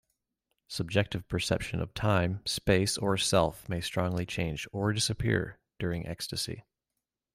Subjective perception of time, space or self may strongly change or disappear during ecstasy.